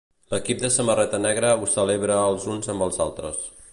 L'equip de samarreta negra ho celebren els uns amb els altres.